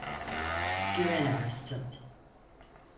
Güvenemezsin.